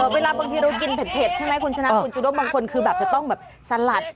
เวลาบางทีเรากินเผ็ดใช่ไหมคุณชนะ